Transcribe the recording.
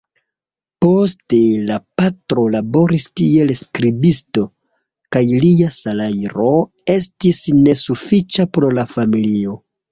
Poste la patro laboris kiel skribisto kaj lia salajro estis nesufiĉa por la familio.